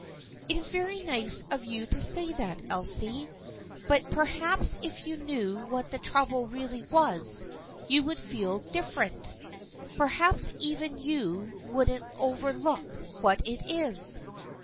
" It is very nice of you to say that, Elsie, but perhaps if you knew what the trouble really was you would feel different. Perhaps even you wouldn't overlook what it is."